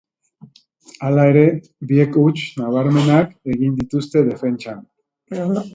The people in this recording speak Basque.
Hala ere, biek huts nabarmenak egin dituzte defentsan.